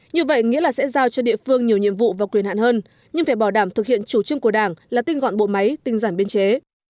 như vậy nghĩa là sẽ giao cho địa phương nhiều nhiệm vụ và quyền hạn hơn nhưng phải bảo đảm thực hiện chủ trương của đảng là tinh gọn bộ máy tinh giản biên chế